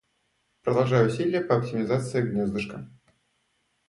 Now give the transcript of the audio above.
Продолжаю усилия по оптимизации гнездышка.